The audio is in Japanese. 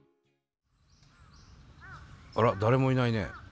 あら誰もいないね。